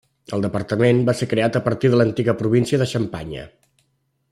El departament va ser creat a partir de l'antiga província de Xampanya.